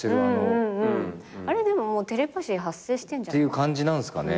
あれでももうテレパシー発生してんじゃない？っていう感じなんすかね